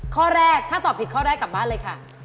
ข้อแรกถ้าตอบผิดข้อแรกกลับบ้านเลยค่ะ